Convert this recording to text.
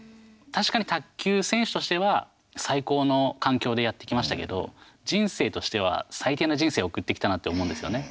確かに卓球選手としては最高の環境でやってきましたけど人生としては最低な人生送ってきたなって思うんですよね。